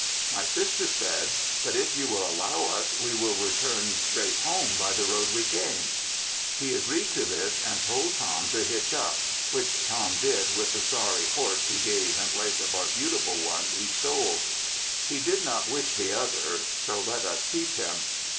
My sister said "But if you will allow us, we will return straight home by the same road we came." He agreed to this and told Tom to hitch up, which Tom did with the sorry horse he gave in place of our beautiful one he stole. He did not wish the other so let us keep him.